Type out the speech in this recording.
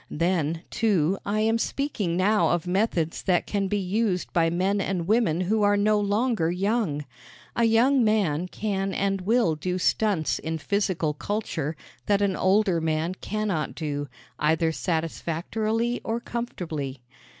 Then, too, I am speaking now of methods that can be used by men and women who are no longer young. A young man can and will do stunts in physical culture that an older man cannot do, either satisfactorily or comfortably.